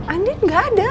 andin gak ada